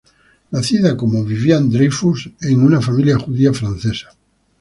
Nacida como Viviane Dreyfus en una familia judía francesa.